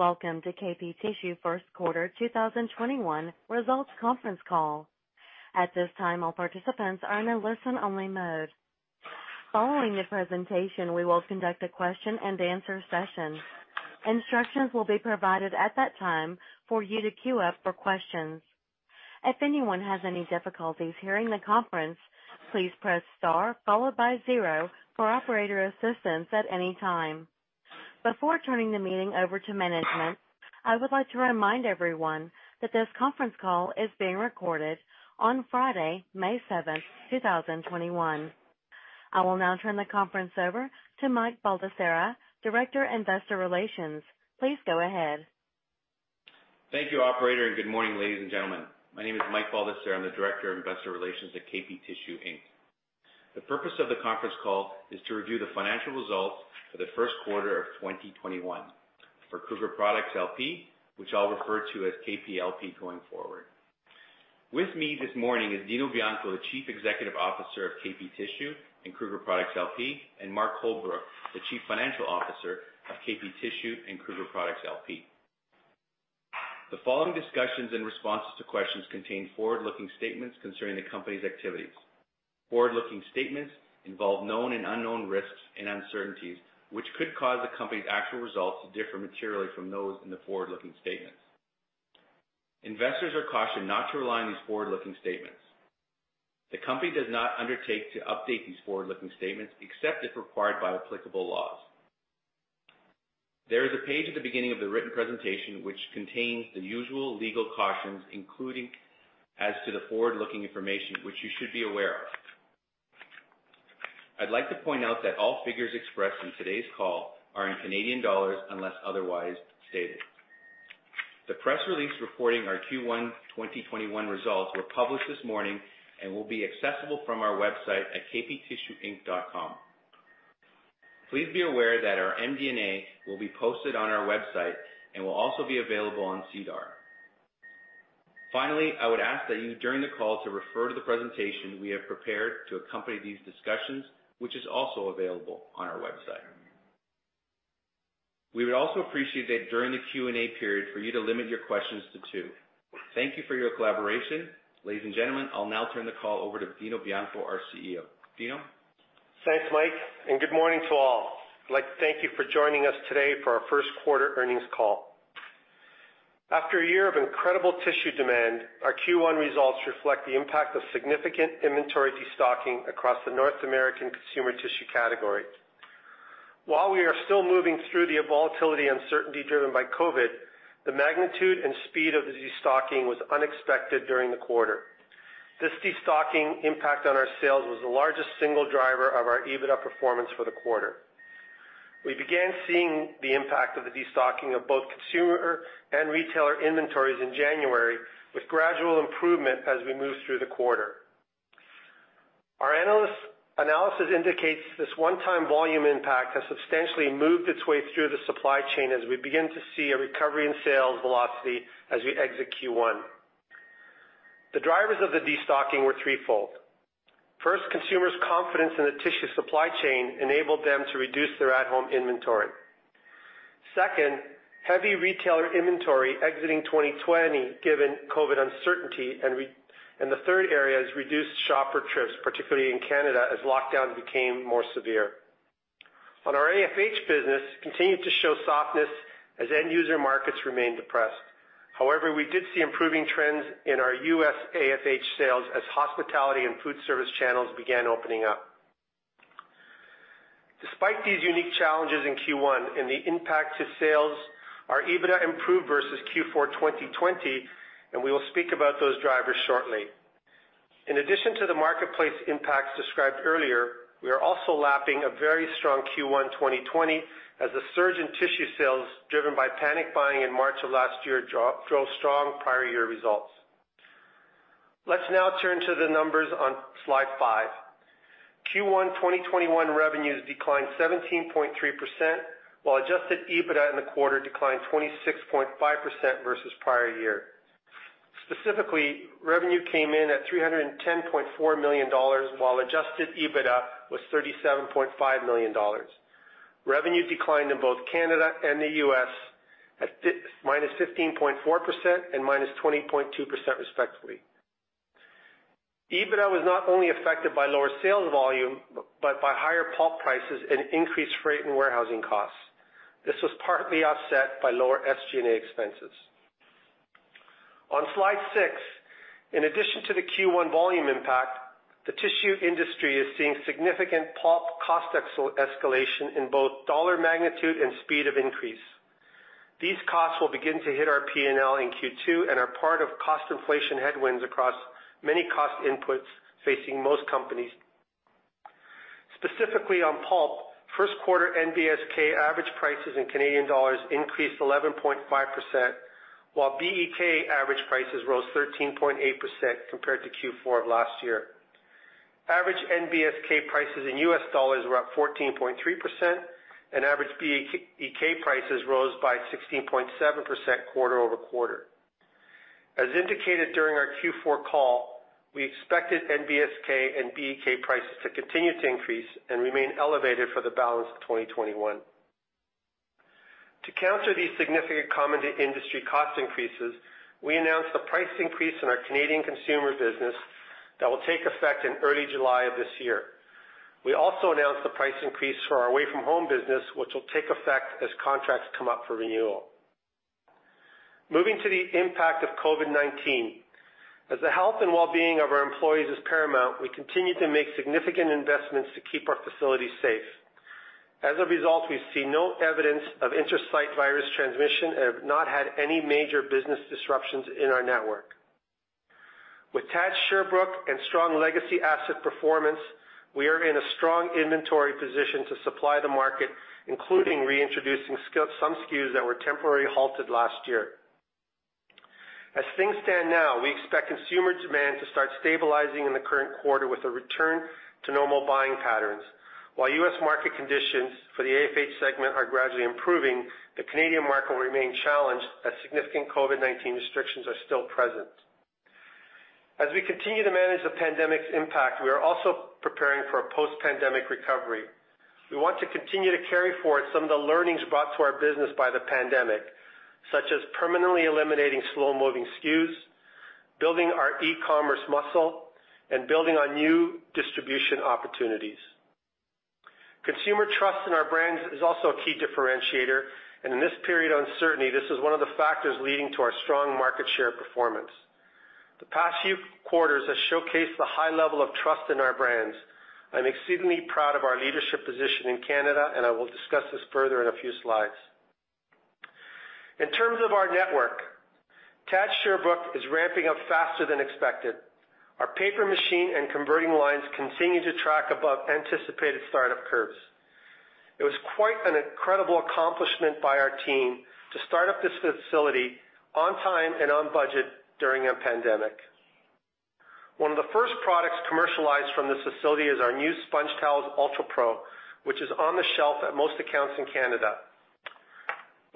Welcome to KP Tissue first quarter 2021 results conference call. At this time, all participants are in a listen-only mode. Following the presentation, we will conduct a question-and-answer session. Instructions will be provided at that time for you to queue up for questions. If anyone has any difficulties hearing the conference, please press star followed by zero for operator assistance at any time. Before turning the meeting over to management, I would like to remind everyone that this conference call is being recorded on Friday, May 7, 2021. I will now turn the conference over to Mike Baldesarra, Director, Investor Relations. Please go ahead. Thank you, operator, and good morning, ladies and gentlemen. My name is Mike Baldesarra. I'm the Director of Investor Relations at KP Tissue, Inc. The purpose of the conference call is to review the financial results for the first quarter of 2021 for Kruger Products LP, which I'll refer to as KPLP going forward. With me this morning is Dino Bianco, the Chief Executive Officer of KP Tissue and Kruger Products LP, and Mark Holbrook, the Chief Financial Officer of KP Tissue and Kruger Products LP. The following discussions and responses to questions contain forward-looking statements concerning the company's activities. Forward-looking statements involve known and unknown risks and uncertainties, which could cause the company's actual results to differ materially from those in the forward-looking statements. Investors are cautioned not to rely on these forward-looking statements. The company does not undertake to update these forward-looking statements, except if required by applicable laws. There is a page at the beginning of the written presentation, which contains the usual legal cautions, including as to the forward-looking information, which you should be aware of. I'd like to point out that all figures expressed in today's call are in Canadian dollars, unless otherwise stated. The press release reporting our Q1 2021 results were published this morning and will be accessible from our website at kptissueinc.com. Please be aware that our MD&A will be posted on our website and will also be available on SEDAR. Finally, I would ask that you, during the call, to refer to the presentation we have prepared to accompany these discussions, which is also available on our website. We would also appreciate that during the Q&A period for you to limit your questions to two. Thank you for your collaboration. Ladies and gentlemen, I'll now turn the call over to Dino Bianco, our CEO. Dino? Thanks, Mike, and good morning to all. I'd like to thank you for joining us today for our first quarter earnings call. After a year of incredible tissue demand, our Q1 results reflect the impact of significant inventory destocking across the North American consumer tissue category. While we are still moving through the volatility uncertainty driven by COVID, the magnitude and speed of the destocking was unexpected during the quarter. This destocking impact on our sales was the largest single driver of our EBITDA performance for the quarter. We began seeing the impact of the destocking of both consumer and retailer inventories in January, with gradual improvement as we moved through the quarter. Our analysis indicates this one-time volume impact has substantially moved its way through the supply chain as we begin to see a recovery in sales velocity as we exit Q1. The drivers of the destocking were threefold. First, consumers' confidence in the tissue supply chain enabled them to reduce their at-home inventory. Second, heavy retailer inventory exiting 2020, given COVID uncertainty, and the third area is reduced shopper trips, particularly in Canada, as lockdowns became more severe. On our AFH business, continued to show softness as end-user markets remained depressed. However, we did see improving trends in our U.S. AFH sales as hospitality and food service channels began opening up. Despite these unique challenges in Q1 and the impact to sales, our EBITDA improved versus Q4 2020, and we will speak about those drivers shortly. In addition to the marketplace impacts described earlier, we are also lapping a very strong Q1 2020, as the surge in tissue sales, driven by panic buying in March of last year, drove strong prior year results. Let's now turn to the numbers on slide five. Q1 2021 revenues declined 17.3%, while adjusted EBITDA in the quarter declined 26.5% versus prior year. Specifically, revenue came in at 310.4 million dollars, while adjusted EBITDA was 37.5 million dollars. Revenue declined in both Canada and the U.S. at -15.4% and -20.2%, respectively. EBITDA was not only affected by lower sales volume, but by higher pulp prices and increased freight and warehousing costs. This was partly offset by lower SG&A expenses. On slide six, in addition to the Q1 volume impact, the tissue industry is seeing significant pulp cost escalation in both dollar magnitude and speed of increase. These costs will begin to hit our P&L in Q2 and are part of cost inflation headwinds across many cost inputs facing most companies. Specifically, on pulp, first quarter NBSK average prices in Canadian dollar increased 11.5%, while BEK average prices rose 13.8% compared to Q4 of last year. Average NBSK prices in U.S. dollar were up 14.3%, and average BEK prices rose by 16.7% quarter-over-quarter. As indicated during our Q4 call, we expected NBSK and BEK prices to continue to increase and remain elevated for the balance of 2021. To counter these significant commodity industry cost increases, we announced a price increase in our Canadian Consumer business that will take effect in early July of this year. We also announced the price increase for our Away-From-Home business, which will take effect as contracts come up for renewal. Moving to the impact of COVID-19. As the health and well-being of our employees is paramount, we continue to make significant investments to keep our facilities safe. As a result, we see no evidence of intersite virus transmission and have not had any major business disruptions in our network. With TAD Sherbrooke and strong legacy asset performance, we are in a strong inventory position to supply the market, including reintroducing some SKUs that were temporarily halted last year. As things stand now, we expect consumer demand to start stabilizing in the current quarter with a return to normal buying patterns. While U.S. market conditions for the AFH segment are gradually improving, the Canadian market will remain challenged as significant COVID-19 restrictions are still present. As we continue to manage the pandemic's impact, we are also preparing for a post-pandemic recovery. We want to continue to carry forward some of the learnings brought to our business by the pandemic, such as permanently eliminating slow-moving SKUs, building our e-commerce muscle, and building on new distribution opportunities. Consumer trust in our brands is also a key differentiator, and in this period of uncertainty, this is one of the factors leading to our strong market share performance. The past few quarters have showcased the high level of trust in our brands. I'm exceedingly proud of our leadership position in Canada, and I will discuss this further in a few slides. In terms of our network, TAD Sherbrooke is ramping up faster than expected. Our paper machine and converting lines continue to track above anticipated startup curves. It was quite an incredible accomplishment by our team to start up this facility on time and on budget during a pandemic. One of the first products commercialized from this facility is our new SpongeTowels UltraPRO, which is on the shelf at most accounts in Canada.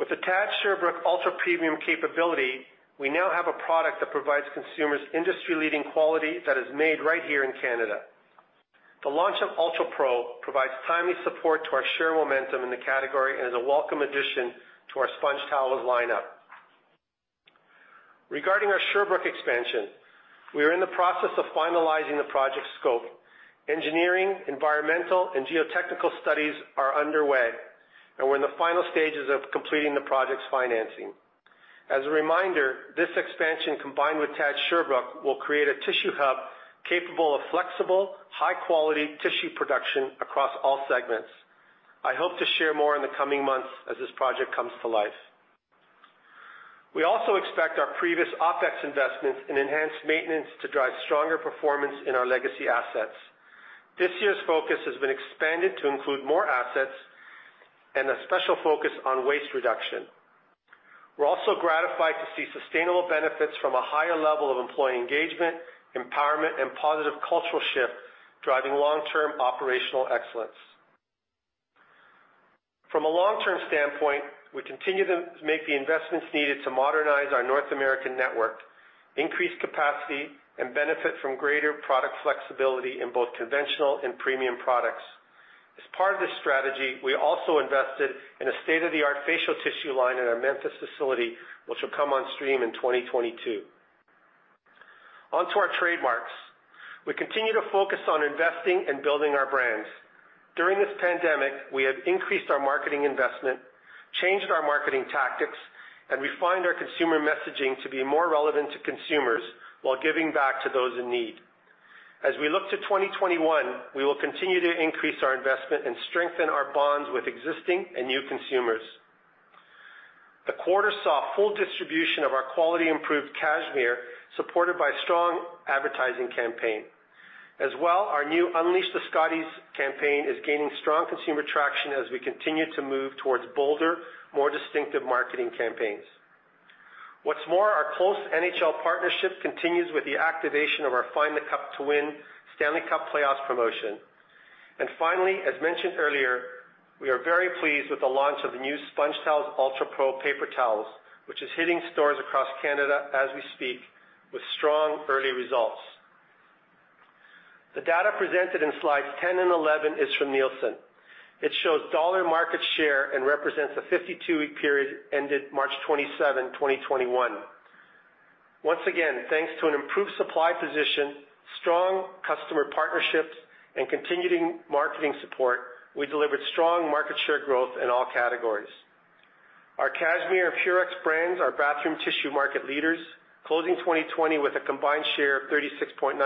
With the TAD Sherbrooke ultra-premium capability, we now have a product that provides consumers industry-leading quality that is made right here in Canada. The launch of UltraPRO provides timely support to our share momentum in the category and is a welcome addition to our SpongeTowels lineup. Regarding our Sherbrooke expansion, we are in the process of finalizing the project scope. Engineering, environmental, and geotechnical studies are underway, and we're in the final stages of completing the project's financing. As a reminder, this expansion, combined with TAD Sherbrooke, will create a tissue hub capable of flexible, high-quality tissue production across all segments. I hope to share more in the coming months as this project comes to life. We also expect our previous OpEx investments in enhanced maintenance to drive stronger performance in our legacy assets. This year's focus has been expanded to include more assets and a special focus on waste reduction. We're also gratified to see sustainable benefits from a higher level of employee engagement, empowerment, and positive cultural shift, driving long-term operational excellence. From a long-term standpoint, we continue to make the investments needed to modernize our North American network, increase capacity, and benefit from greater product flexibility in both conventional and premium products. As part of this strategy, we also invested in a state-of-the-art facial tissue line in our Memphis facility, which will come on stream in 2022. Onto our trademarks. We continue to focus on investing and building our brands. During this pandemic, we have increased our marketing investment, changed our marketing tactics, and refined our consumer messaging to be more relevant to consumers while giving back to those in need. As we look to 2021, we will continue to increase our investment and strengthen our bonds with existing and new consumers. The quarter saw full distribution of our quality improved Cashmere, supported by a strong advertising campaign. As well, our new Unleash the Scotties campaign is gaining strong consumer traction as we continue to move towards bolder, more distinctive marketing campaigns. What's more, our close NHL partnership continues with the activation of our Find the Cup to Win for Stanley Cup Playoffs promotion. And finally, as mentioned earlier, we are very pleased with the launch of the new SpongeTowels UltraPRO paper towels, which is hitting stores across Canada as we speak, with strong early results. The data presented in slides 10 and 11 is from Nielsen. It shows dollar market share and represents a 52-week period, ended March 27th, 2021. Once again, thanks to an improved supply position, strong customer partnerships, and continuing marketing support, we delivered strong market share growth in all categories. Our Cashmere and Purex brands are bathroom tissue market leaders, closing 2020 with a combined share of 36.9%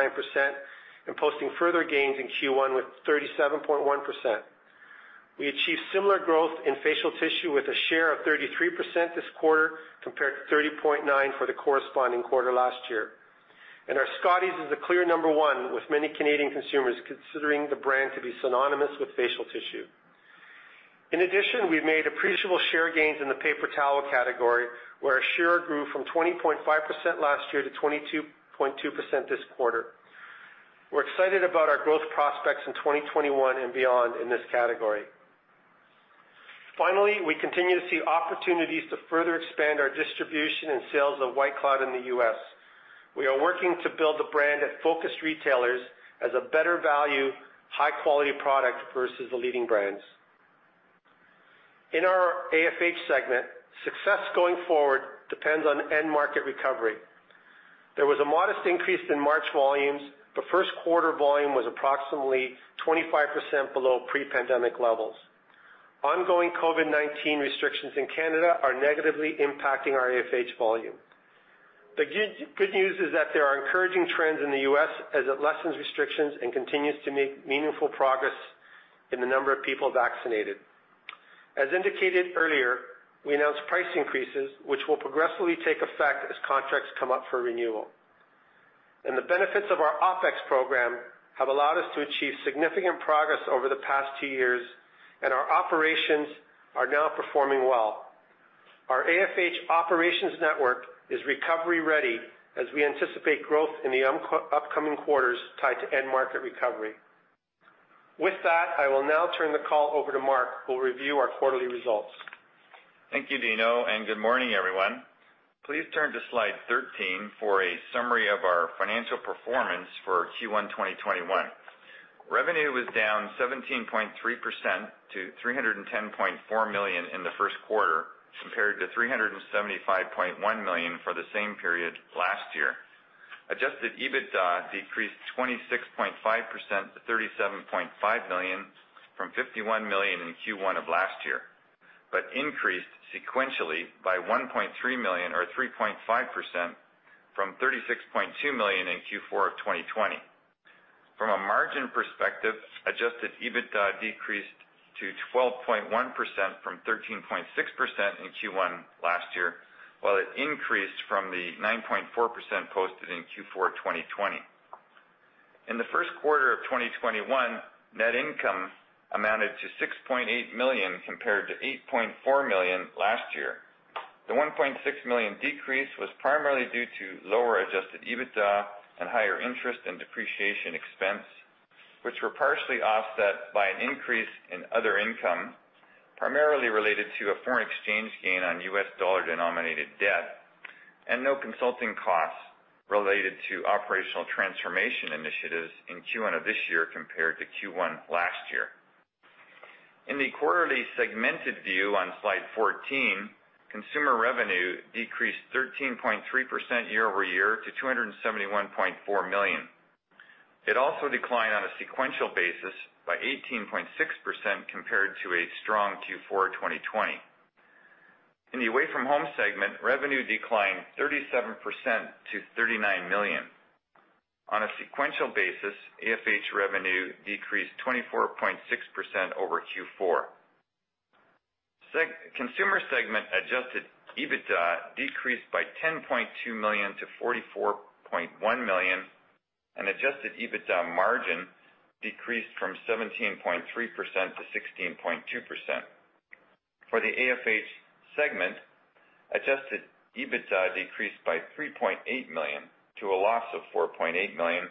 and posting further gains in Q1 with 37.1%. We achieved similar growth in facial tissue with a share of 33% this quarter, compared to 30.9% for the corresponding quarter last year. Our Scotties is the clear number one, with many Canadian consumers considering the brand to be synonymous with facial tissue. In addition, we've made appreciable share gains in the paper towel category, where our share grew from 20.5% last year to 22.2% this quarter. We're excited about our growth prospects in 2021 and beyond in this category. Finally, we continue to see opportunities to further expand our distribution and sales of White Cloud in the U.S. We are working to build the brand at focused retailers as a better value, high-quality product versus the leading brands. In our AFH segment, success going forward depends on end market recovery. There was a modest increase in March volumes, but first quarter volume was approximately 25% below pre-pandemic levels. Ongoing COVID-19 restrictions in Canada are negatively impacting our AFH volume. The good news is that there are encouraging trends in the U.S. as it lessens restrictions and continues to make meaningful progress in the number of people vaccinated. As indicated earlier, we announced price increases, which will progressively take effect as contracts come up for renewal. The benefits of our OpEx program have allowed us to achieve significant progress over the past two years, and our operations are now performing well. Our AFH operations network is recovery-ready as we anticipate growth in the upcoming quarters tied to end market recovery. With that, I will now turn the call over to Mark, who will review our quarterly results. Thank you, Dino, and good morning, everyone. Please turn to slide 13 for a summary of our financial performance for Q1 2021. Revenue was down 17.3% to 310.4 million in the first quarter, compared to 375.1 million for the same period last year. Adjusted EBITDA decreased 26.5% to 37.5 million, from 51 million in Q1 of last year, but increased sequentially by 1.3 million or 3.5% from 36.2 million in Q4 of 2020. From a margin perspective, adjusted EBITDA decreased to 12.1% from 13.6% in Q1 last year, while it increased from the 9.4% posted in Q4 2020. In the first quarter of 2021, net income amounted to 6.8 million, compared to 8.4 million last year. The 1.6 million decrease was primarily due to lower adjusted EBITDA and higher interest and depreciation expense, which were partially offset by an increase in other income, primarily related to a foreign exchange gain on U.S. dollar-denominated debt, and no consulting costs related to operational transformation initiatives in Q1 of this year compared to Q1 last year. In the quarterly segmented view on slide 14, Consumer revenue decreased 13.3% year-over-year to 271.4 million. It also declined on a sequential basis by 18.6% compared to a strong Q4 2020. In the Away-From-Home segment, revenue declined 37% to 39 million. On a sequential basis, AFH revenue decreased 24.6% over Q4. Consumer segment adjusted EBITDA decreased by 10.2 million to 44.1 million, and adjusted EBITDA margin decreased from 17.3% to 16.2%. For the AFH segment, adjusted EBITDA decreased by 3.8 million to a loss of 4.8 million,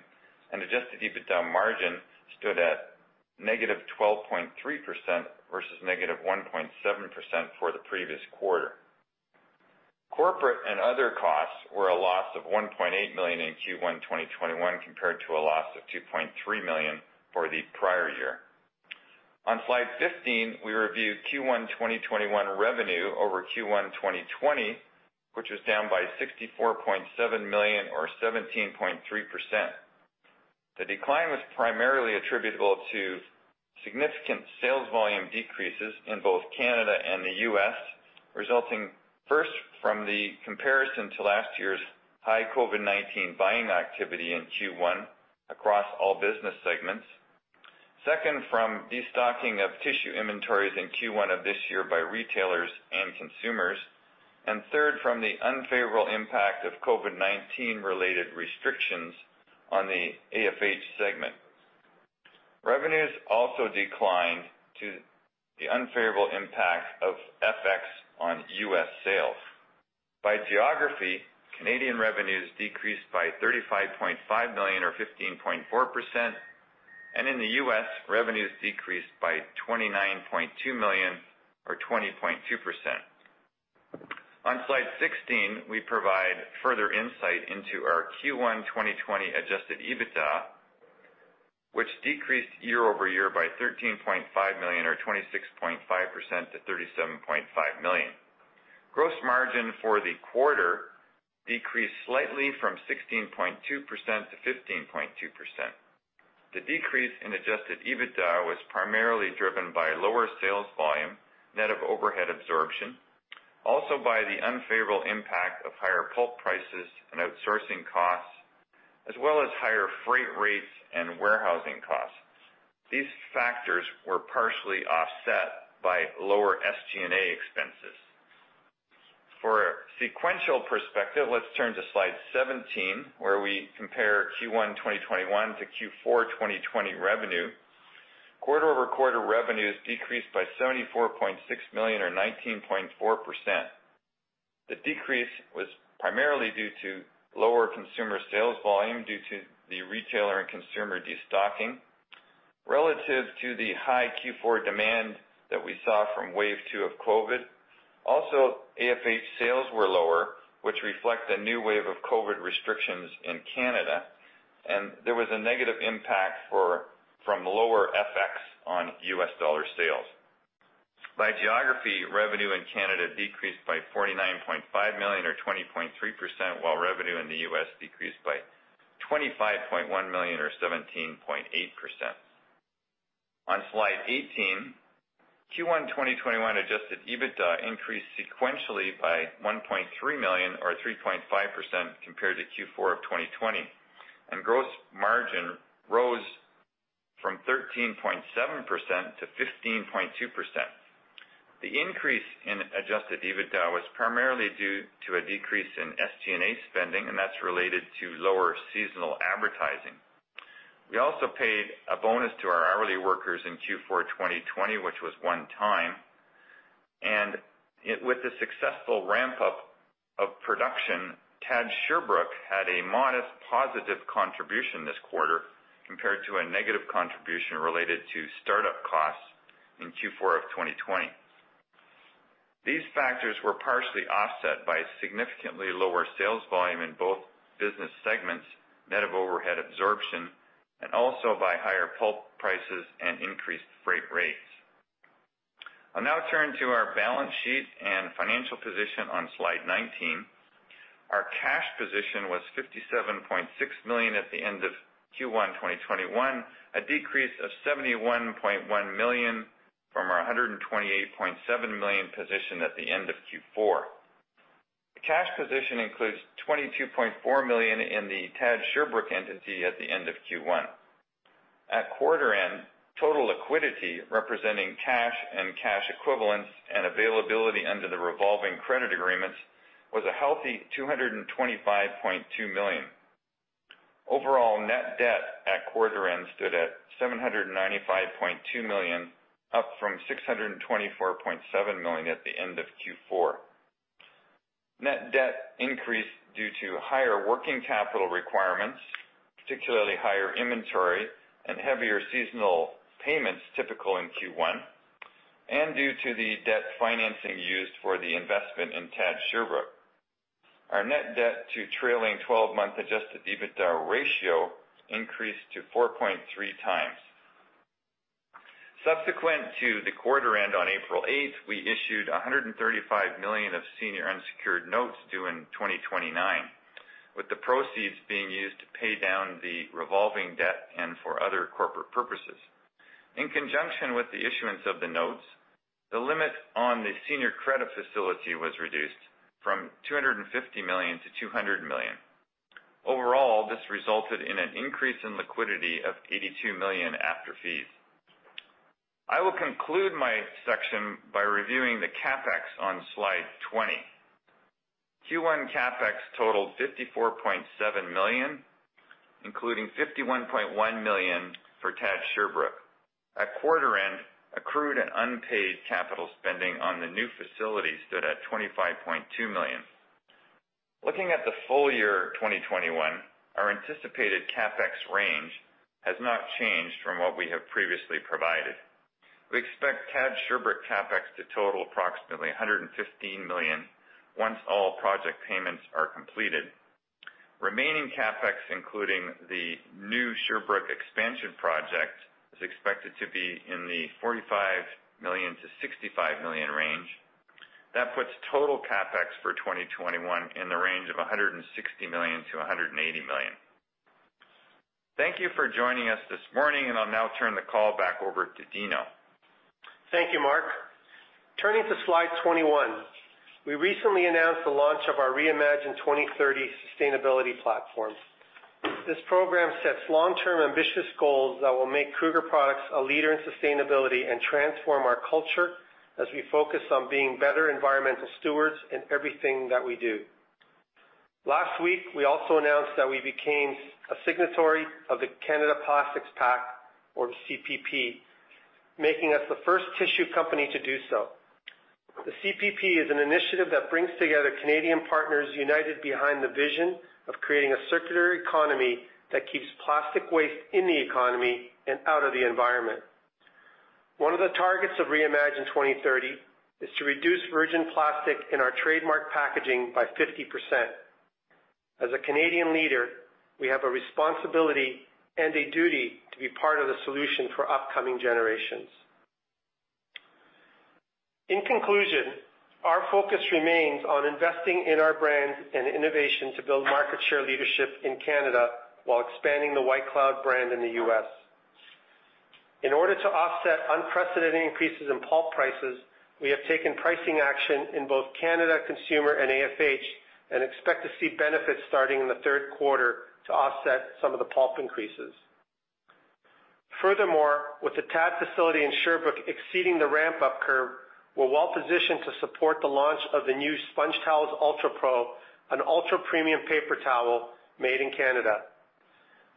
and adjusted EBITDA margin stood at -12.3% versus -1.7% for the previous quarter. Corporate and other costs were a loss of 1.8 million in Q1 2021, compared to a loss of 2.3 million for the prior year. On slide 15, we review Q1 2021 revenue over Q1 2020, which was down by 64.7 million or 17.3%. The decline was primarily attributable to significant sales volume decreases in both Canada and the U.S., resulting first from the comparison to last year's high COVID-19 buying activity in Q1 across all business segments. Second, from destocking of tissue inventories in Q1 of this year by retailers and consumers. And third, from the unfavorable impact of COVID-19-related restrictions on the AFH segment. Revenues also declined to the unfavorable impact of FX on U.S. sales. By geography, Canadian revenues decreased by 35.5 million or 15.4%, and in the U.S., revenues decreased by 29.2 million or 20.2%. On slide 16, we provide further insight into our Q1 2020 adjusted EBITDA, which decreased year-over-year by 13.5 million or 26.5% to 37.5 million. Gross margin for the quarter decreased slightly from 16.2% to 15.2%. The decrease in adjusted EBITDA was primarily driven by lower sales volume, net of overhead absorption, also by the unfavorable impact of higher pulp prices and outsourcing costs, as well as higher freight rates and warehousing costs. These factors were partially offset by lower SG&A expenses. For a sequential perspective, let's turn to slide 17, where we compare Q1 2021 to Q4 2020 revenue. Quarter-over-quarter revenues decreased by 74.6 million or 19.4%. The decrease was primarily due to lower Consumer sales volume due to the retailer and consumer destocking. Relative to the high Q4 demand that we saw from wave two of COVID, also AFH sales were lower, which reflect a new wave of COVID restrictions in Canada, and there was a negative impact from lower FX on U.S. dollar sales. By geography, revenue in Canada decreased by 49.5 million, or 20.3%, while revenue in the U.S. decreased by 25.1 million, or 17.8%. On slide 18, Q1 2021 adjusted EBITDA increased sequentially by 1.3 million, or 3.5% compared to Q4 of 2020, and gross margin rose from 13.7% to 15.2%. The increase in adjusted EBITDA was primarily due to a decrease in SG&A spending, and that's related to lower seasonal advertising. We also paid a bonus to our hourly workers in Q4 2020, which was one-time, and with the successful ramp-up of production, TAD Sherbrooke had a modest positive contribution this quarter compared to a negative contribution related to startup costs in Q4 of 2020. These factors were partially offset by significantly lower sales volume in both business segments, net of overhead absorption, and also by higher pulp prices and increased freight rates. I'll now turn to our balance sheet and financial position on slide 19. Our cash position was 57.6 million at the end of Q1 2021, a decrease of 71.1 million from our 128.7 million position at the end of Q4. The cash position includes 22.4 million in the TAD Sherbrooke entity at the end of Q1. At quarter end, total liquidity, representing cash and cash equivalents and availability under the revolving credit agreements, was a healthy 225.2 million. Overall, net debt at quarter end stood at 795.2 million, up from 624.7 million at the end of Q4. Net debt increased due to higher working capital requirements, particularly higher inventory and heavier seasonal payments, typical in Q1, and due to the debt financing used for the investment in TAD Sherbrooke. Our net debt to trailing 12-month adjusted EBITDA ratio increased to 4.3x. Subsequent to the quarter end on April 8th, we issued 135 million of senior unsecured notes due in 2029, with the proceeds being used to pay down the revolving debt and for other corporate purposes. In conjunction with the issuance of the notes, the limit on the senior credit facility was reduced from 250 million to 200 million. Overall, this resulted in an increase in liquidity of 82 million after fees. I will conclude my section by reviewing the CapEx on slide 20. Q1 CapEx totaled 54.7 million, including 51.1 million for TAD Sherbrooke. At quarter end, accrued and unpaid capital spending on the new facility stood at 25.2 million. Looking at the full year 2021, our anticipated CapEx range has not changed from what we have previously provided. We expect TAD Sherbrooke CapEx to total approximately 115 million once all project payments are completed. Remaining CapEx, including the new Sherbrooke expansion project, is expected to be in the 45 million-65 million range. That puts total CapEx for 2021 in the range of 160 million-180 million. Thank you for joining us this morning, and I'll now turn the call back over to Dino. Thank you, Mark. Turning to slide 21, we recently announced the launch of our Reimagine 2030 sustainability platform. This program sets long-term, ambitious goals that will make Kruger Products a leader in sustainability and transform our culture as we focus on being better environmental stewards in everything that we do. Last week, we also announced that we became a signatory of the Canada Plastics Pact, or the CPP, making us the first tissue company to do so. The CPP is an initiative that brings together Canadian partners united behind the vision of creating a circular economy that keeps plastic waste in the economy and out of the environment. One of the targets of Reimagine 2030 is to reduce virgin plastic in our trademark packaging by 50%. As a Canadian leader, we have a responsibility and a duty to be part of the solution for upcoming generations. In conclusion, our focus remains on investing in our brands and innovation to build market share leadership in Canada while expanding the White Cloud brand in the U.S. In order to offset unprecedented increases in pulp prices, we have taken pricing action in both Canada, Consumer and AFH, and expect to see benefits starting in the third quarter to offset some of the pulp increases. Furthermore, with the TAD facility in Sherbrooke exceeding the ramp-up curve, we're well positioned to support the launch of the new SpongeTowels UltraPRO, an ultra-premium paper towel made in Canada.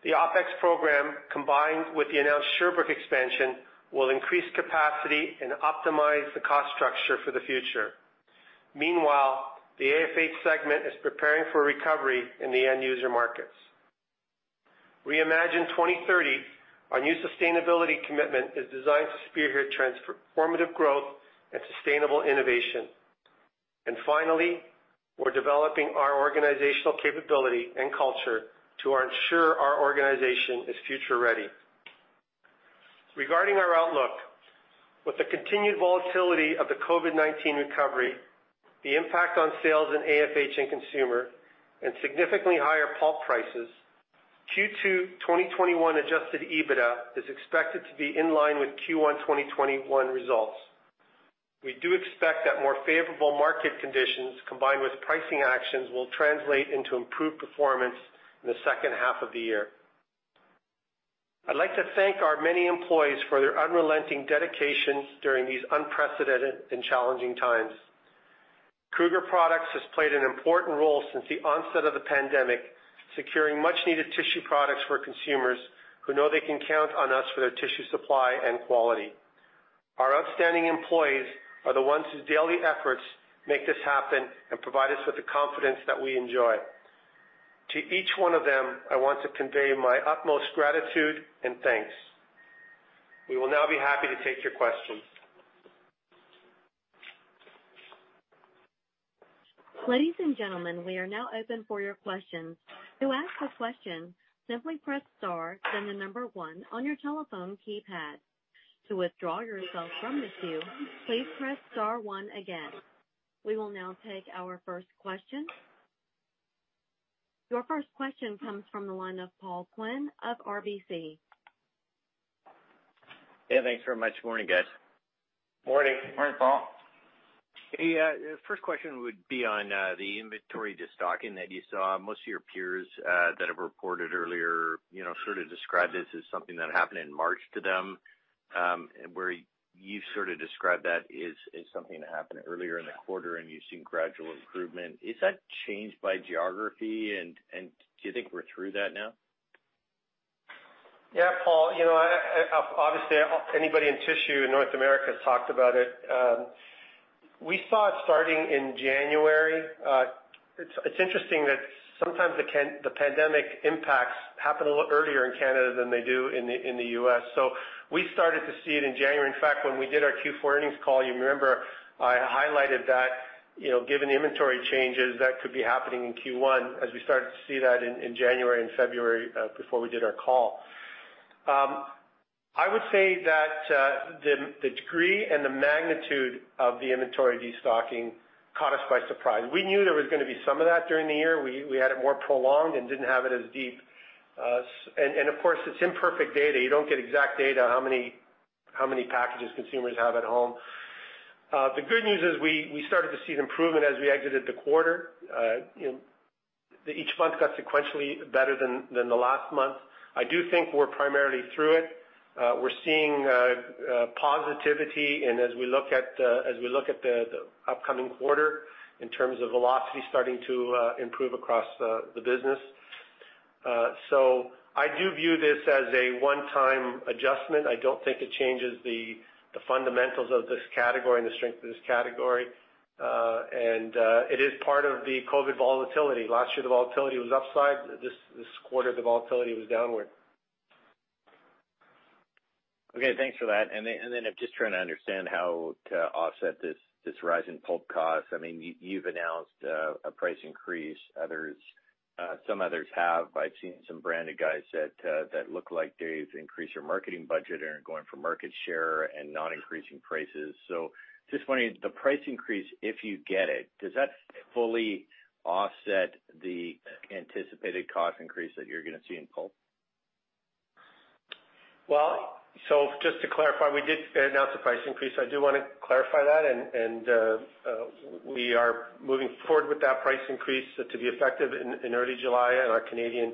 The OpEx program, combined with the announced Sherbrooke expansion, will increase capacity and optimize the cost structure for the future. Meanwhile, the AFH segment is preparing for recovery in the end user markets. Reimagine 2030, our new sustainability commitment, is designed to spearhead transformative growth and sustainable innovation. And finally, we're developing our organizational capability and culture to ensure our organization is future-ready. Regarding our outlook, with the continued volatility of the COVID-19 recovery, the impact on sales in AFH and Consumer, and significantly higher pulp prices, Q2 2021 adjusted EBITDA is expected to be in line with Q1 2021 results. We do expect that more favorable market conditions, combined with pricing actions, will translate into improved performance in the second half of the year. I'd like to thank our many employees for their unrelenting dedication during these unprecedented and challenging times. Kruger Products has played an important role since the onset of the pandemic, securing much-needed tissue products for consumers who know they can count on us for their tissue supply and quality. Our outstanding employees are the ones whose daily efforts make this happen and provide us with the confidence that we enjoy. To each one of them, I want to convey my utmost gratitude and thanks. We will now be happy to take your questions. Ladies and gentlemen, we are now open for your questions. To ask a question, simply press star, then the number one on your telephone keypad. To withdraw yourself from the queue, please press star one again. We will now take our first question. Your first question comes from the line of Paul Quinn of RBC. Yeah, thanks very much. Morning, guys. Morning. Morning, Paul. Hey, the first question would be on the inventory destocking that you saw. Most of your peers that have reported earlier, you know, sort of described this as something that happened in March to them. Where you sort of described that as something that happened earlier in the quarter, and you've seen gradual improvement. Is that changed by geography, and do you think we're through that now? Yeah, Paul, you know, obviously, anybody in tissue in North America has talked about it. We saw it starting in January. It's interesting that sometimes the pandemic impacts happen a little earlier in Canada than they do in the U.S. So we started to see it in January. In fact, when we did our Q4 earnings call, you remember, I highlighted that, you know, given the inventory changes, that could be happening in Q1 as we started to see that in January and February, before we did our call. I would say that the degree and the magnitude of the inventory destocking caught us by surprise. We knew there was gonna be some of that during the year. We had it more prolonged and didn't have it as deep. And, of course, it's imperfect data. You don't get exact data on how many packages consumers have at home. The good news is we started to see an improvement as we exited the quarter. You know, each month got sequentially better than the last month. I do think we're primarily through it. We're seeing positivity, and as we look at the upcoming quarter, in terms of velocity starting to improve across the business. So I do view this as a one-time adjustment. I don't think it changes the fundamentals of this category and the strength of this category. And it is part of the COVID volatility. Last year, the volatility was upside. This quarter, the volatility was downward. Okay, thanks for that. And then just trying to understand how to offset this rise in pulp costs. I mean, you, you've announced a price increase. Others, some others have, but I've seen some branded guys that look like they've increased their marketing budget and are going for market share and not increasing prices. So just wondering, the price increase, if you get it, does that fully offset the anticipated cost increase that you're gonna see in pulp? Well, so just to clarify, we did announce a price increase. I do want to clarify that, and we are moving forward with that price increase to be effective in early July in our Canadian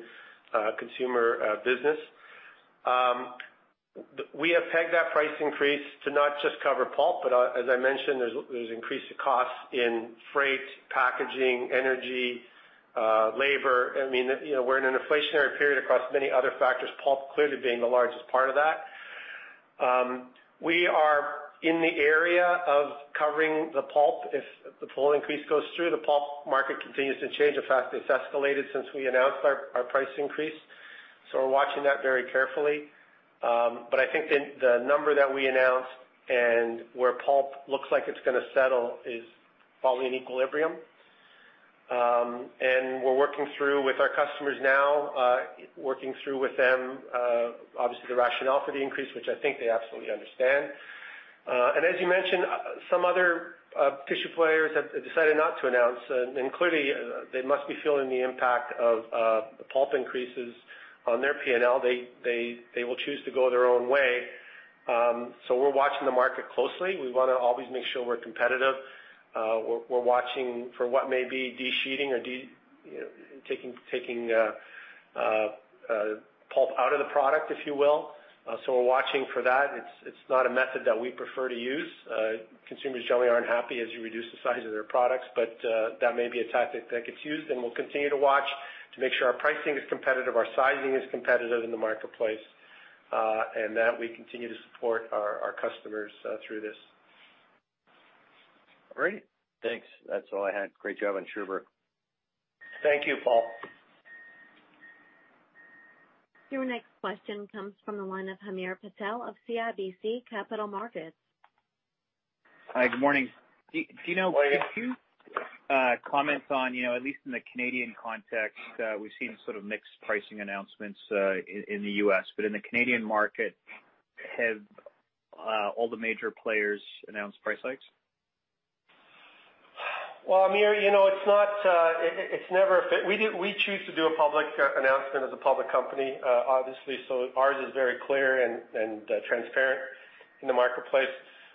Consumer business. We have pegged that price increase to not just cover pulp, but as I mentioned, there's increased costs in freight, packaging, energy, labor. I mean, you know, we're in an inflationary period across many other factors, pulp clearly being the largest part of that. We are in the area of covering the pulp. If the pulp increase goes through, the pulp market continues to change. In fact, it's escalated since we announced our price increase, so we're watching that very carefully. But I think the number that we announced and where pulp looks like it's gonna settle is probably in equilibrium. And we're working through with our customers now, working through with them, obviously, the rationale for the increase, which I think they absolutely understand. And as you mentioned, some other tissue players have decided not to announce, and clearly, they must be feeling the impact of the pulp increases on their P&L. They will choose to go their own way. So we're watching the market closely. We wanna always make sure we're competitive. We're watching for what may be desheeting or de-you know, taking out of the product, if you will. So we're watching for that. It's not a method that we prefer to use. Consumers generally aren't happy as you reduce the size of their products, but that may be a tactic that gets used, and we'll continue to watch to make sure our pricing is competitive, our sizing is competitive in the marketplace, and that we continue to support our, our customers, through this. Great! Thanks. That's all I had. Great job on Sherbrooke. Thank you, Paul. Your next question comes from the line of Hamir Patel of CIBC Capital Markets. Hi, good morning. Dino— Good morning. Could you comment on, you know, at least in the Canadian context, we've seen sort of mixed pricing announcements in the U.S.? But in the Canadian market, have all the major players announced price hikes? Well, Hamir, you know, it's not, it, it's never a fit. We choose to do a public announcement as a public company, obviously, so ours is very clear and, and, transparent in the marketplace.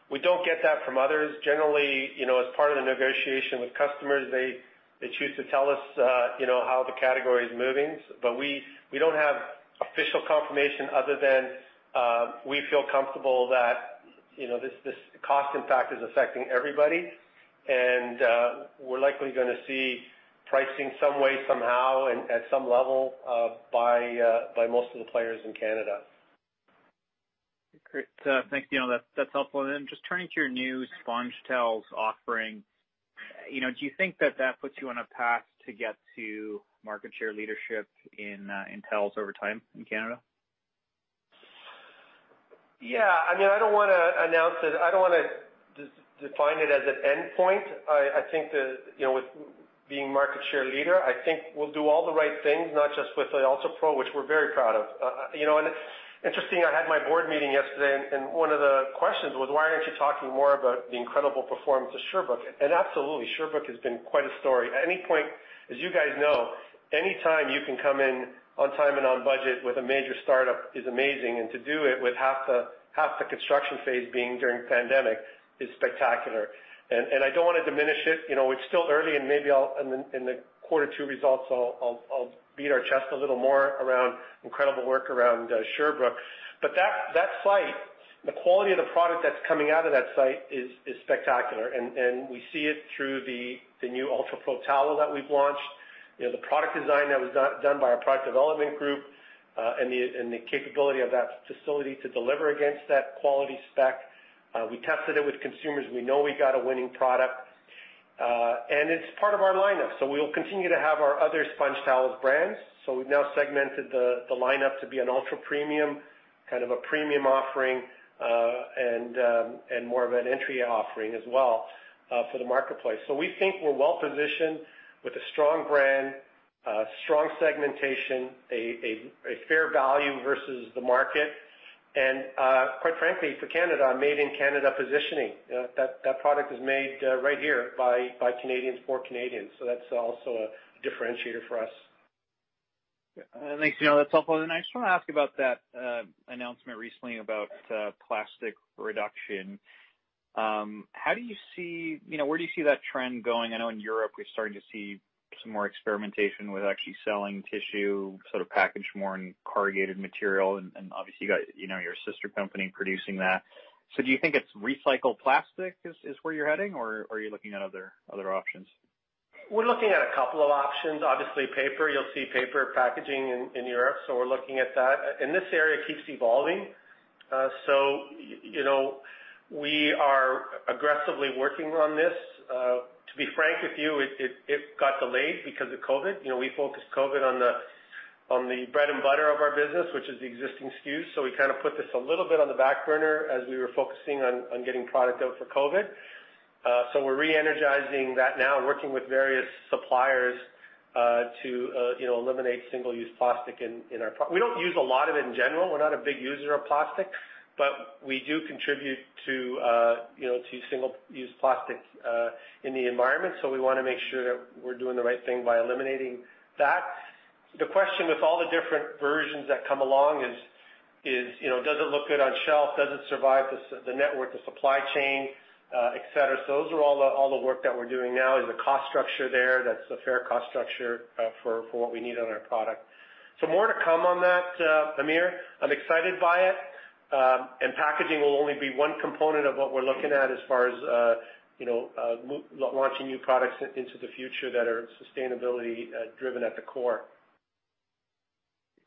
We don't get that from others. Generally, you know, as part of the negotiation with customers, they, they choose to tell us, you know, how the category is moving. But we, we don't have official confirmation other than, we feel comfortable that, you know, this, this cost impact is affecting everybody, and, we're likely gonna see pricing some way, somehow, and at some level, by, by most of the players in Canada. Great. Thanks, Dino, that's, that's helpful. And then just turning to your new SpongeTowels offering, you know, do you think that that puts you on a path to get to market share leadership in, in towels over time in Canada? Yeah, I mean, I don't wanna announce it. I don't wanna define it as an endpoint. I, I think the, you know, with being market share leader, I think we'll do all the right things, not just with the UltraPRO, which we're very proud of. You know, and interesting, I had my board meeting yesterday, and, and one of the questions was, "Why aren't you talking more about the incredible performance of Sherbrooke?" And absolutely, Sherbrooke has been quite a story. At any point, as you guys know, any time you can come in on time and on budget with a major startup is amazing, and to do it with half the, half the construction phase being during the pandemic is spectacular. And, and I don't want to diminish it. You know, it's still early, and maybe I'll, in the quarter two results, I'll beat our chest a little more around incredible work around Sherbrooke. But that site, the quality of the product that's coming out of that site is spectacular, and we see it through the new UltraPRO towel that we've launched. You know, the product design that was done by our product development group, and the capability of that facility to deliver against that quality spec. We tested it with consumers. We know we got a winning product, and it's part of our lineup. So we'll continue to have our other SpongeTowels brands. So we've now segmented the lineup to be an ultra-premium, kind of a premium offering, and and more of an entry offering as well, for the marketplace. So we think we're well positioned with a strong brand, a strong segmentation, a fair value versus the market, and, quite frankly, for Canada, a made in Canada positioning. That product is made right here by Canadians, for Canadians, so that's also a differentiator for us. Yeah, thanks, Dino. That's helpful. And I just wanna ask about that announcement recently about plastic reduction. How do you see, you know, where do you see that trend going? I know in Europe, we're starting to see some more experimentation with actually selling tissue, sort of packaged more in corrugated material, and obviously you got, you know, your sister company producing that. So do you think it's recycled plastic is where you're heading, or are you looking at other options? We're looking at a couple of options. Obviously, paper, you'll see paper packaging in Europe, so we're looking at that. This area keeps evolving, so you know, we are aggressively working on this. To be frank with you, it got delayed because of COVID. You know, we focused COVID on the bread and butter of our business, which is the existing SKUs. So we kind of put this a little bit on the back burner as we were focusing on getting product out for COVID. So we're re-energizing that now, working with various suppliers to you know, eliminate single-use plastic in our pro-. We don't use a lot of it in general. We're not a big user of plastic, but we do contribute to you know, to single-use plastic in the environment. So we wanna make sure that we're doing the right thing by eliminating that. The question with all the different versions that come along is, you know, does it look good on shelf? Does it survive the network, the supply chain, et cetera? So those are all the work that we're doing now. Is the cost structure there? That's a fair cost structure for what we need on our product. So more to come on that, Hamir. I'm excited by it, and packaging will only be one component of what we're looking at as far as, you know, launching new products into the future that are sustainability driven at the core.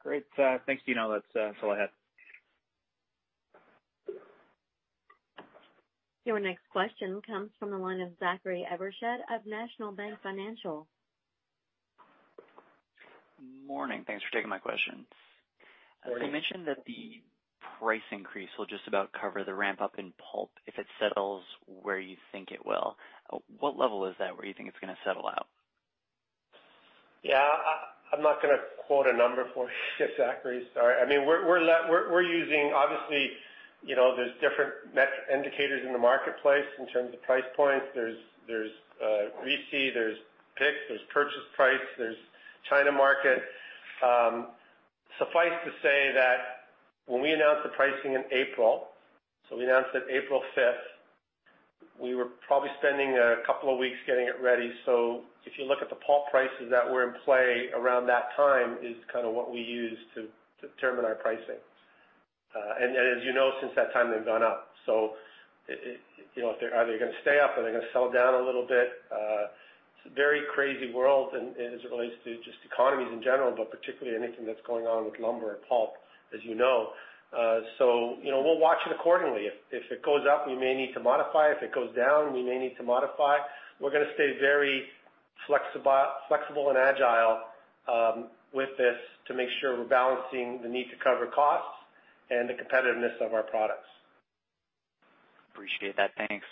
Great. Thanks, Dino. That's all I had. Your next question comes from the line of Zachary Evershed of National Bank Financial. Morning. Thanks for taking my questions. Morning. You mentioned that the price increase will just about cover the ramp-up in pulp if it settles where you think it will. What level is that, where you think it's gonna settle out? Yeah, I'm not gonna quote a number for you, Zachary. Sorry. I mean, we're using, obviously, you know, there's different indicators in the marketplace in terms of price points. There's RISI, there's PIX, there's purchase price, there's China market. Suffice to say that when we announced the pricing in April, so we announced it April 5th, we were probably spending a couple of weeks getting it ready. So if you look at the pulp prices that were in play around that time, is kind of what we use to determine our pricing. And as you know, since that time, they've gone up. So it, you know, are they gonna stay up? Are they gonna sell down a little bit? It's a very crazy world and, as it relates to just economies in general, but particularly anything that's going on with lumber and pulp, as you know. So, you know, we'll watch it accordingly. If it goes up, we may need to modify. If it goes down, we may need to modify. We're gonna stay very flexible and agile with this to make sure we're balancing the need to cover costs and the competitiveness of our products. Appreciate that. Thanks.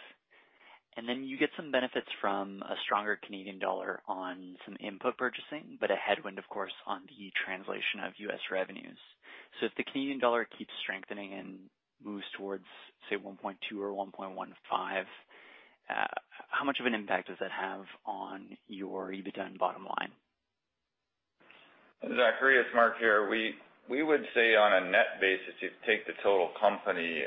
And then you get some benefits from a stronger Canadian dollar on some input purchasing, but a headwind, of course, on the translation of U.S. revenues. So if the Canadian dollar keeps strengthening and moves towards, say, 1.2 or 1.15, how much of an impact does that have on your EBITDA and bottom line? Zachary, it's Mark here. We would say on a net basis, you take the total company,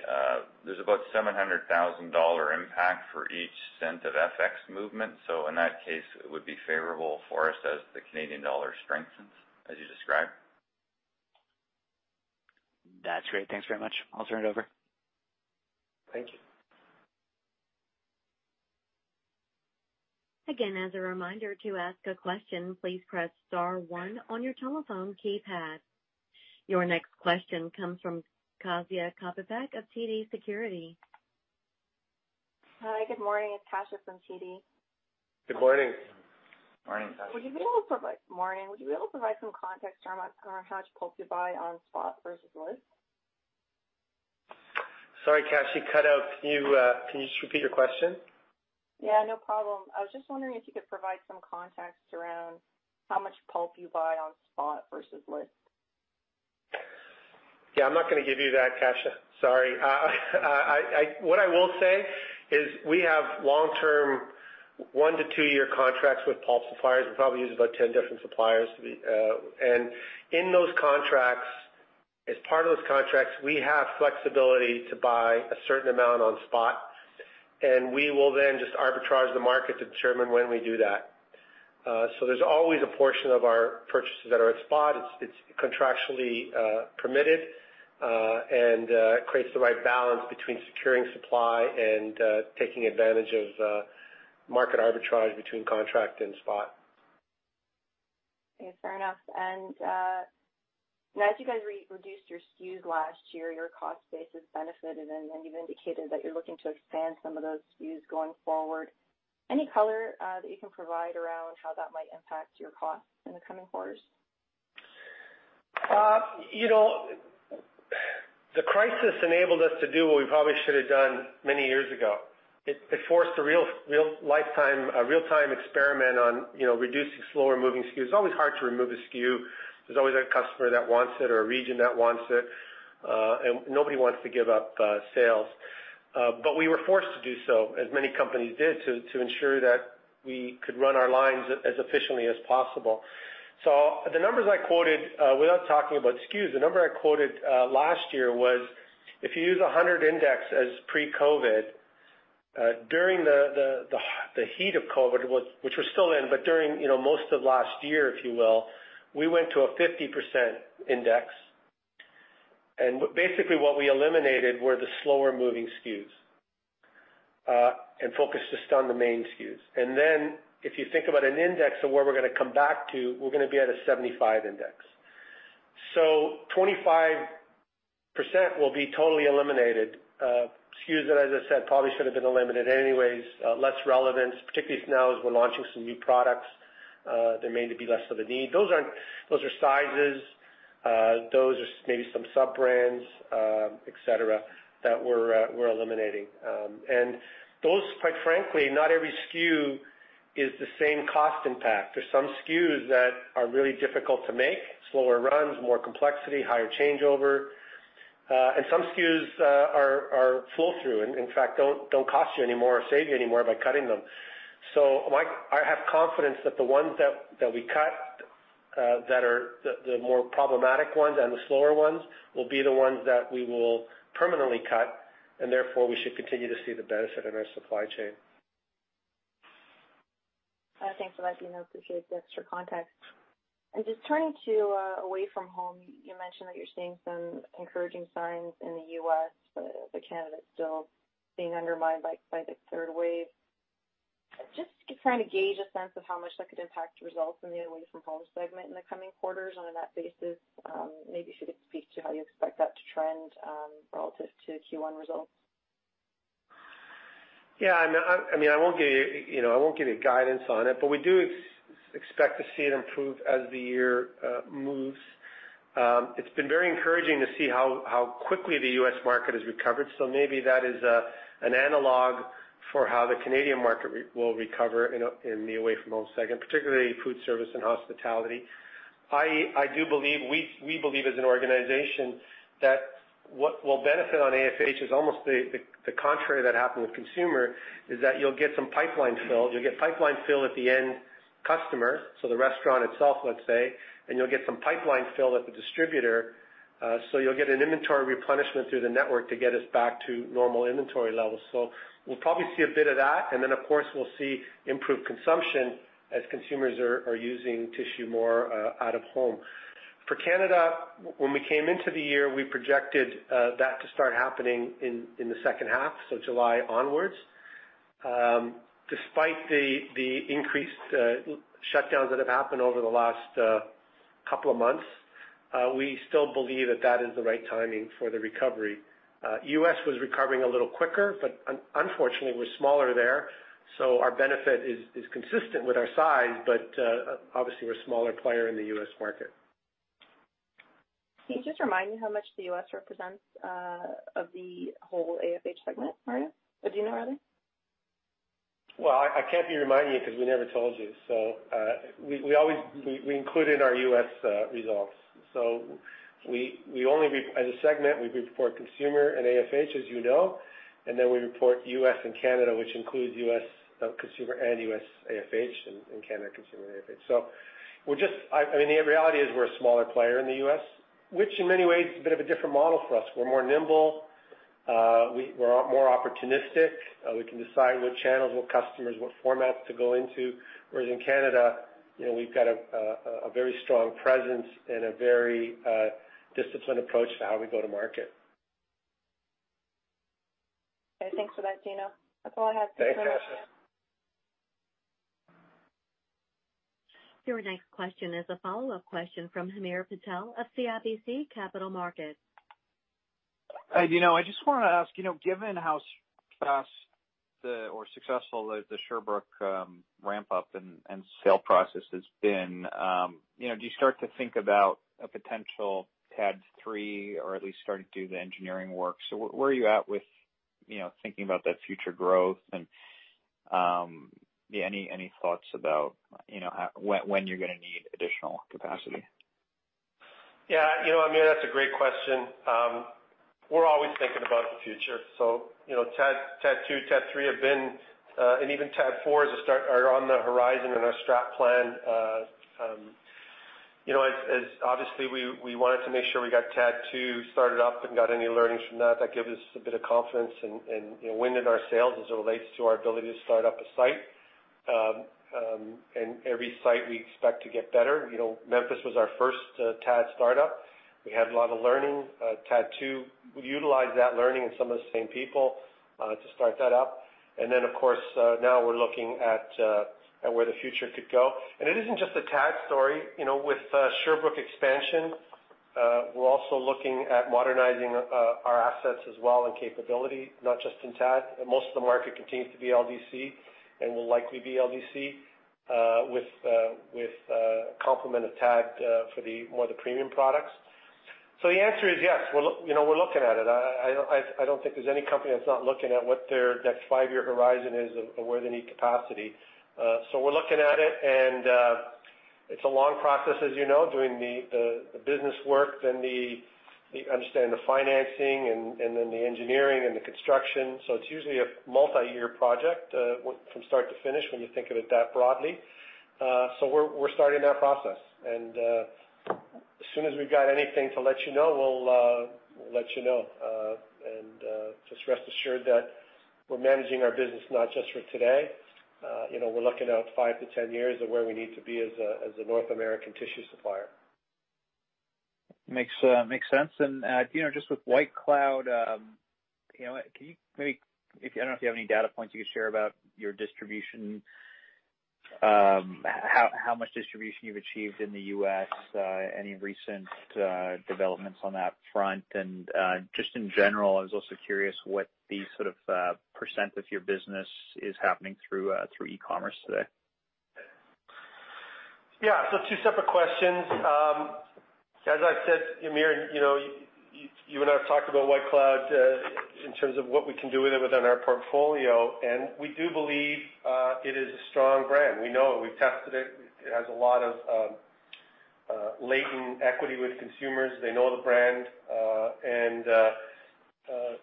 there's about 700,000 dollar impact for each cent of FX movement. So in that case, it would be favorable for us as the Canadian dollar strengthens, as you described. That's great. Thanks very much. I'll turn it over. Thank you. Again, as a reminder, to ask a question, please press star one on your telephone keypad. Your next question comes from Kasia Kopec of TD Securities. Hi, good morning. It's Kasia from TD. Good morning. Morning, Kasia. Morning. Would you be able to provide some context around how much pulp you buy on spot versus list? Sorry, Kasia, you cut out. Can you just repeat your question? Yeah, no problem. I was just wondering if you could provide some context around how much pulp you buy on spot versus list. Yeah, I'm not gonna give you that, Kasia. Sorry. What I will say is we have long-term one to two-year contracts with pulp suppliers. We probably use about 10 different suppliers. And in those contracts, as part of those contracts, we have flexibility to buy a certain amount on spot, and we will then just arbitrage the market to determine when we do that. So there's always a portion of our purchases that are at spot. It's contractually permitted, and creates the right balance between securing supply and taking advantage of market arbitrage between contract and spot. Okay, fair enough. And as you guys reduced your SKUs last year, your cost base has benefited, and then you've indicated that you're looking to expand some of those SKUs going forward. Any color that you can provide around how that might impact your costs in the coming quarters? You know, the crisis enabled us to do what we probably should have done many years ago. It forced a real-time experiment on, you know, reducing slower moving SKUs. It's always hard to remove a SKU. There's always a customer that wants it or a region that wants it, and nobody wants to give up sales. But we were forced to do so, as many companies did, to ensure that we could run our lines as efficiently as possible. So the numbers I quoted, without talking about SKUs, the number I quoted last year was, if you use a 100 index as pre-COVID, during the heat of COVID, which we're still in, but during, you know, most of last year, if you will, we went to a 50% index. Basically what we eliminated were the slower moving SKUs and focused just on the main SKUs. Then if you think about an index of where we're gonna come back to, we're gonna be at a 75 index. 25% will be totally eliminated. SKUs that, as I said, probably should have been eliminated anyways, less relevance, particularly now as we're launching some new products, there may need to be less of a need. Those are sizes, those are maybe some sub-brands, et cetera, that we're eliminating. And those, quite frankly, not every SKU is the same cost impact. There's some SKUs that are really difficult to make, slower runs, more complexity, higher changeover. And some SKUs are flow through, in fact, don't cost you any more or save you any more by cutting them. So, I have confidence that the ones that we cut, that are the more problematic ones and the slower ones, will be the ones that we will permanently cut, and therefore, we should continue to see the benefit in our supply chain. Thanks for that, you know, appreciate the extra context. And just turning to away from home, you mentioned that you're seeing some encouraging signs in the U.S., but Canada is still being undermined by, by the third wave. Just trying to gauge a sense of how much that could impact results in the away from home segment in the coming quarters on that basis. Maybe if you could speak to how you expect that to trend relative to Q1 results. Yeah, I mean, I mean, I won't give you, you know, I won't give you guidance on it, but we do expect to see it improve as the year moves. It's been very encouraging to see how quickly the U.S. market has recovered. So maybe that is an analog for how the Canadian market will recover in the away from home segment, particularly food service and hospitality. I do believe, we believe as an organization, that what will benefit on AFH is almost the contrary that happened with Consumer, is that you'll get some pipeline filled. You'll get pipeline fill at the end customer, so the restaurant itself, let's say, and you'll get some pipeline fill at the distributor. So you'll get an inventory replenishment through the network to get us back to normal inventory levels. So we'll probably see a bit of that, and then, of course, we'll see improved consumption as consumers are using tissue more out of home. For Canada, when we came into the year, we projected that to start happening in the second half, so July onwards. Despite the increased shutdowns that have happened over the last couple of months, we still believe that that is the right timing for the recovery. U.S. was recovering a little quicker, but unfortunately, we're smaller there, so our benefit is consistent with our size, but obviously, we're a smaller player in the U.S. market. Can you just remind me how much the U.S. represents, of the whole AFH segment, Mark? Dino, rather. Well, I can't be reminding you because we never told you. So, we always include it in our U.S. results. So we only as a segment, we report Consumer and AFH, as you know, and then we report U.S. and Canada, which includes U.S. Consumer and U.S. AFH, and Canada's Consumer and AFH. So we're just, I mean, the reality is we're a smaller player in the U.S., which in many ways is a bit of a different model for us. We're more nimble. We're more opportunistic. We can decide what channels, what customers, what formats to go into. Whereas in Canada, you know, we've got a very strong presence and a very disciplined approach to how we go to market. Okay, thanks for that, Dino. That's all I had. Thanks, Kasia. Your next question is a follow-up question from Hamir Patel of CIBC Capital Markets. Hey, Dino, I just want to ask, you know, given how fast or successful the Sherbrooke ramp up and sale process has been, you know, do you start to think about a potential TAD three, or at least start to do the engineering work? So where are you at with, you know, thinking about that future growth? And, yeah, any thoughts about, you know, how, when you're gonna need additional capacity? Yeah, you know, Hamir, that's a great question. We're always thinking about the future. So, you know, TAD, TAD 2, TAD 3 have been, and even TAD 4 is a start, are on the horizon in our strat plan. You know, as obviously, we wanted to make sure we got TAD 2 started up and got any learnings from that. That gives us a bit of confidence and, you know, wind in our sails as it relates to our ability to start up a site. And every site we expect to get better. You know, Memphis was our first TAD startup. We had a lot of learning. TAD 2, we've utilized that learning and some of the same people to start that up. Then, of course, now we're looking at where the future could go. And it isn't just a TAD story. You know, with Sherbrooke expansion, we're also looking at modernizing our assets as well, and capability, not just in TAD. Most of the market continues to be LDC and will likely be LDC with complement of TAD for the more the premium products. So the answer is yes, you know, we're looking at it. I don't think there's any company that's not looking at what their next five-year horizon is or where they need capacity. So we're looking at it, and it's a long process, as you know, doing the business work, then the understanding the financing and then the engineering and the construction. So it's usually a multiyear project, from start to finish, when you think of it that broadly. So we're starting that process, and as soon as we've got anything to let you know, we'll let you know. And just rest assured that we're managing our business not just for today, you know, we're looking out 5 to 10 years of where we need to be as a North American tissue supplier. Makes sense. And, Dino, just with White Cloud, you know, can you maybe, I don't know if you have any data points you can share about your distribution, how much distribution you've achieved in the U.S., any recent developments on that front? And, just in general, I was also curious what the sort of percent of your business is happening through e-commerce today. Yeah, so two separate questions. As I said, Hamir, you know, you and I have talked about White Cloud in terms of what we can do with it within our portfolio, and we do believe it is a strong brand. We know it. We've tested it. It has a lot of latent equity with consumers. They know the brand, and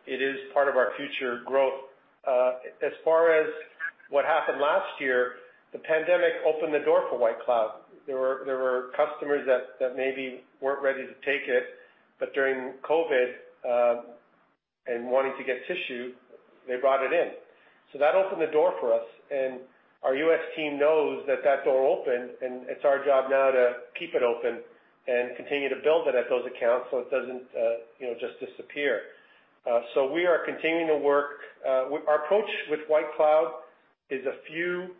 it is part of our future growth. As far as what happened last year, the pandemic opened the door for White Cloud. There were customers that maybe weren't ready to take it, but during COVID and wanting to get tissue, they brought it in. So that opened the door for us, and our U.S. team knows that that door opened, and it's our job now to keep it open and continue to build it at those accounts so it doesn't, you know, just disappear. So we are continuing to work. Our approach with White Cloud is a few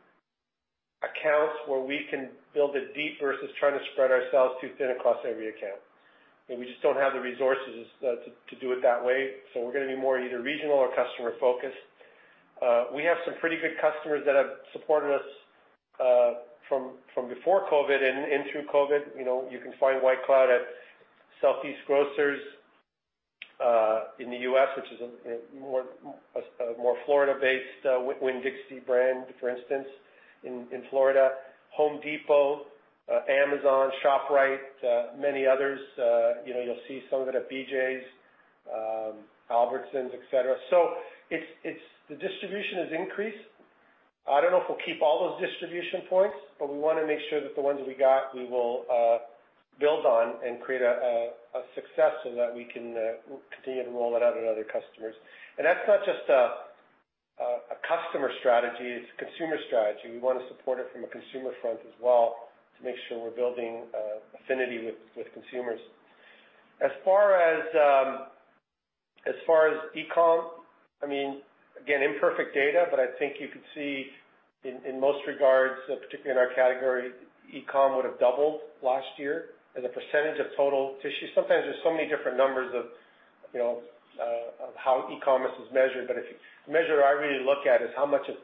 accounts where we can build it deep versus trying to spread ourselves too thin across every account. And we just don't have the resources to do it that way. So we're gonna be more either regional or customer focused. We have some pretty good customers that have supported us from before COVID and through COVID. You know, you can find White Cloud at Southeastern Grocers in the U.S., which is a more Florida-based Winn-Dixie brand, for instance, in Florida. Home Depot, Amazon, ShopRite, many others. You know, you'll see some of it at BJ's, Albertsons, et cetera. So it's the distribution has increased. I don't know if we'll keep all those distribution points, but we wanna make sure that the ones we got, we will build on and create a success so that we can continue to roll it out in other customers. And that's not just a customer strategy, it's a consumer strategy. We want to support it from a consumer front as well, to make sure we're building affinity with consumers. As far as e-com, I mean, again, imperfect data, but I think you could see in most regards, particularly in our category, e-com would have doubled last year as a percentage of total tissue. Sometimes there's so many different numbers of, you know, of how e-commerce is measured, but if the measure I really look at is how much of,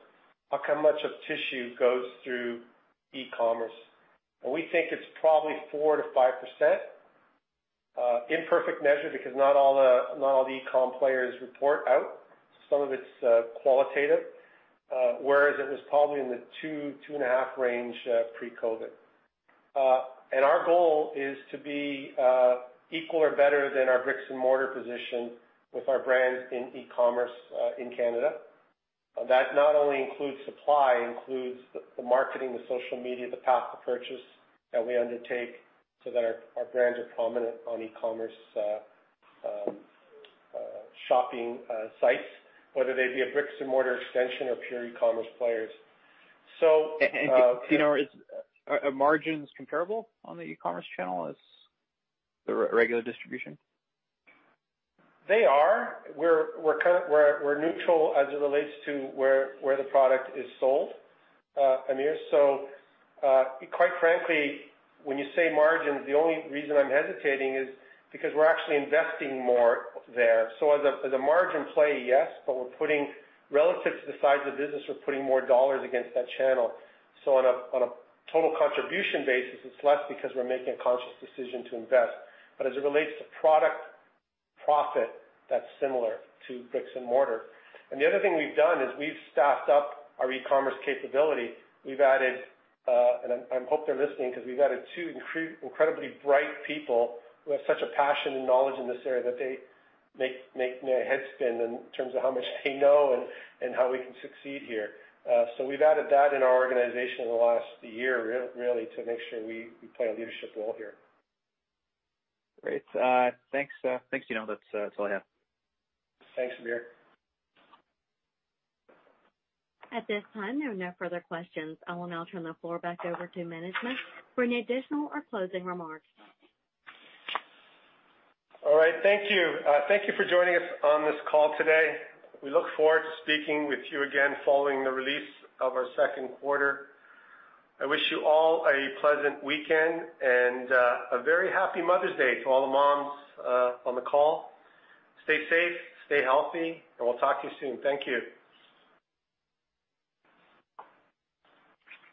how much of tissue goes through e-commerce. And we think it's probably 4%-5%, imperfect measure, because not all the, not all the e-com players report out. Some of it's qualitative, whereas it was probably in the 2%-2.5% range, pre-COVID. And our goal is to be equal or better than our bricks-and-mortar position with our brands in e-commerce in Canada. That not only includes supply, includes the, the marketing, the social media, the path to purchase that we undertake, so that our, our brands are prominent on e-commerce shopping sites, whether they be a bricks-and-mortar extension or pure e-commerce players. So— You know, are margins comparable on the e-commerce channel as the regular distribution? They are. We're kind of neutral as it relates to where the product is sold, Hamir. So, quite frankly, when you say margins, the only reason I'm hesitating is because we're actually investing more there. So as a margin play, yes, but we're putting relative to the size of the business more dollars against that channel. So on a total contribution basis, it's less because we're making a conscious decision to invest. But as it relates to product profit, that's similar to bricks and mortar. The other thing we've done is we've staffed up our e-commerce capability. We've added, and I hope they're listening, because we've added two incredibly bright people who have such a passion and knowledge in this area that they make my head spin in terms of how much they know and how we can succeed here. So we've added that in our organization in the last year, really, to make sure we play a leadership role here. Great. Thanks. Thanks, Dino. That's, that's all I have. Thanks, Hamir. At this time, there are no further questions. I will now turn the floor back over to management for any additional or closing remarks. All right. Thank you. Thank you for joining us on this call today. We look forward to speaking with you again following the release of our second quarter. I wish you all a pleasant weekend and, a very happy Mother's Day to all the moms, on the call. Stay safe, stay healthy, and we'll talk to you soon. Thank you.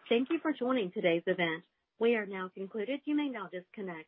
Thank you for joining today's event. We are now concluded. You may now disconnect.